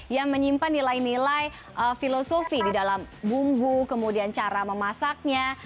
yang menyimpan nilai nilai filosofi di dalam bumbu kemudian cara memasaknya